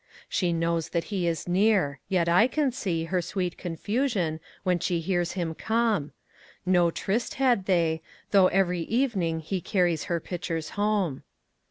She knows that he is near, yet I can seeHer sweet confusion when she hears him come.No tryst had they, though every evening heCarries her pitchers home.